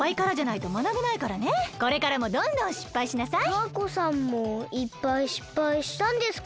タアコさんもいっぱいしっぱいしたんですか？